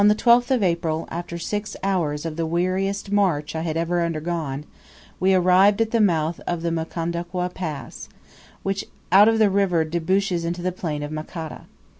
On the 12th of April, after six hours of the weariest march I had ever undergone, we arrived at the mouth of the Mukondokwa Pass, out of which the river debouches into the Plain of Makata.